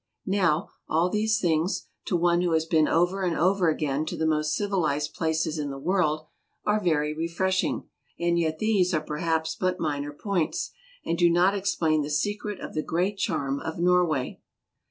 Now, all these things, to one who has been over and over again to the most civilized places in the world, are very refreshing ; and yet these are perhaps but minor points, and do not explain the secret of the great charm of Norway.